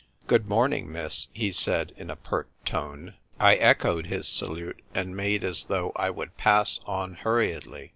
"Good morning, miss," he said in a pert tone. I echoed his salute, and made as though I would pass on hurriedly.